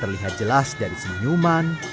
terlihat jelas dari senyuman dan senyuman